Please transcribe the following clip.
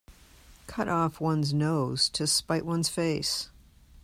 Cut off one's nose to spite one's face.